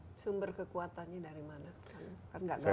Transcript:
sumber kekuatannya dari mana